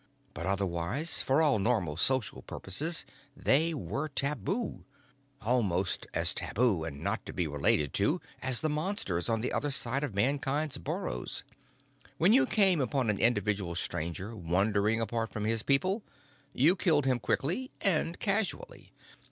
But otherwise, for all normal social purposes, they were taboo. Almost as taboo and not to be related to as the Monsters on the other side of Mankind's burrows. When you came upon an individual Stranger wandering apart from his people, you killed him quickly and casually.